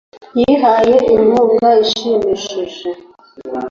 yihaye inkunga ishimishije